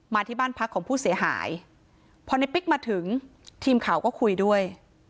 ที่บ้านพักของผู้เสียหายพอในปิ๊กมาถึงทีมข่าวก็คุยด้วย